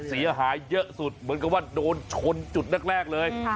เสียหายเยอะสุดเหมือนกับว่าโดนชนจุดแรกเลย